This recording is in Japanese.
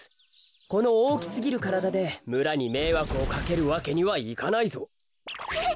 このおおきすぎるからだでむらにめいわくをかけるわけにはいかないぞ。えっ！？